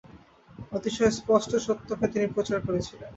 অতিশয় স্পষ্ট সত্যকে তিনি প্রচার করেছিলেন।